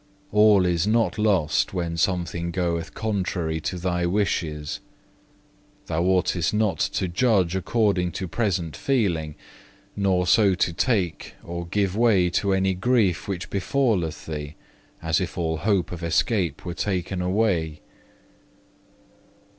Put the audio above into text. All is not lost when something goeth contrary to thy wishes. Thou oughtest not to judge according to present feeling, nor so to take or give way to any grief which befalleth thee, as if all hope of escape were taken away.